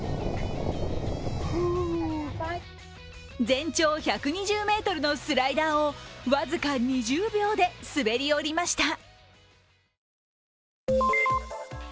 全長１２０ｍのスライダーを僅か２０秒で滑り降りました。